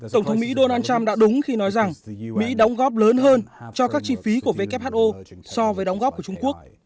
tổng thống mỹ donald trump đã đúng khi nói rằng mỹ đóng góp lớn hơn cho các chi phí của who so với đóng góp của trung quốc